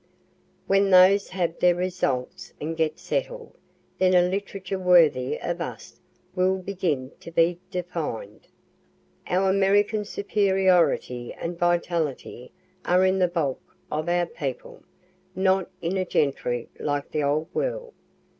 When those have their results and get settled, then a literature worthy of us will begin to be defined. Our American superiority and vitality are in the bulk of our people, not in a gentry like the old world.